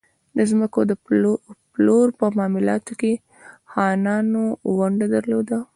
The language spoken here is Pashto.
د ځمکو د پلور په معاملاتو کې خانانو ونډه درلوده.